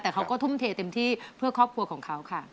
แต่เขาก็ทุ่มเทเต็มที่เพื่อครอบครัวของเขาค่ะ